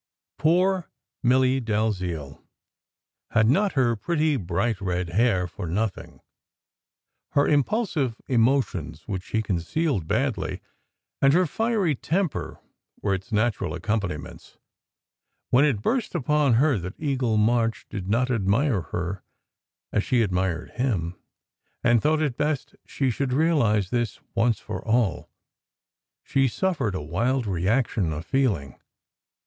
Poor Milly Dalziel had not her pretty, bright red hair for nothing. Her impulsive emotions, which she concealed badly, and her fiery temper were its natural accompani ments. When it burst upon her that Eagle March did not admire her as she admired him, and thought it best she should realize this once for all, she suffered a wild reaction of feeling.